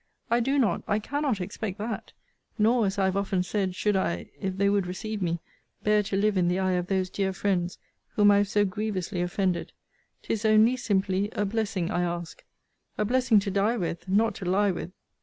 I do not, I cannot expect that. Nor, as I have often said, should I, if they would receive me, bear to live in the eye of those dear friends whom I have so grievously offended. 'Tis only, simply, a blessing I ask: a blessing to die with; not to lie with.